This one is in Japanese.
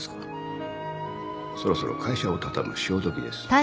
そろそろ会社を畳む潮時です。